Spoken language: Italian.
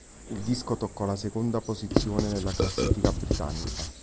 Il disco toccò la seconda posizione nella classifica britannica.